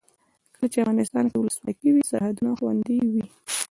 کله چې افغانستان کې ولسواکي وي سرحدونه خوندي وي.